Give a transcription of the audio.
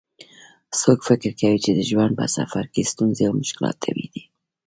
څوک فکر کوي چې د ژوند په سفر کې ستونزې او مشکلات طبیعي دي